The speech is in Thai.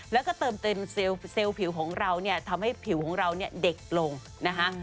แล้วก็เติมเต็มเซลล์ผิวของเราเนี่ยทำให้ผิวของเราเนี่ยเด็กลงนะคะ